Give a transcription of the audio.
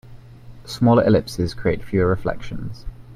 Smaller ellipses create fewer reflections.